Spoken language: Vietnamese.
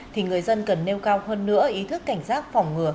thì người dân cần nêu cao hơn nữa ý thức cảnh giác phòng ngừa